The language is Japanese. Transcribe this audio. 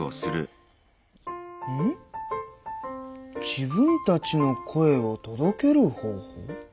自分たちの声を届ける方法？